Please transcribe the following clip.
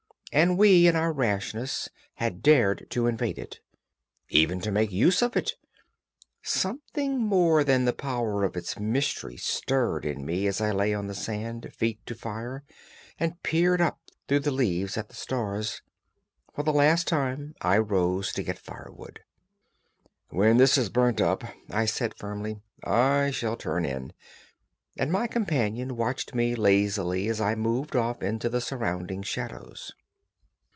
And we, in our rashness, had dared to invade it, even to make use of it! Something more than the power of its mystery stirred in me as I lay on the sand, feet to fire, and peered up through the leaves at the stars. For the last time I rose to get firewood. "When this has burnt up," I said firmly, "I shall turn in," and my companion watched me lazily as I moved off into the surrounding shadows.